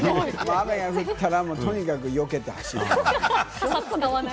雨が降ったら、もうとにかく、よけて走る。